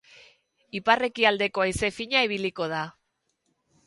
Ipar-ekialdeko haize fina ibiliko da.